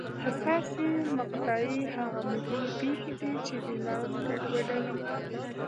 حساسې مقطعې هغه مهمې پېښې دي چې بیلانس ګډوډوي.